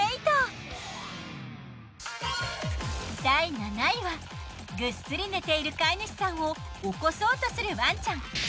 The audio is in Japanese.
第７位はぐっすり寝ている飼い主さんを起こそうとするワンちゃん。